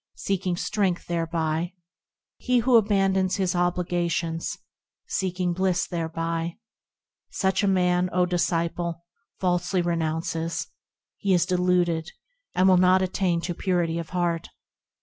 Seeking strength thereby; He who abandoneth his obligations, Seeking bliss thereby,– Such a man, O disciple ! falsely renounces ; He is deluded, and will not attain to purity of heart.